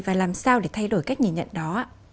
và làm sao để thay đổi cách nhìn nhận đó ạ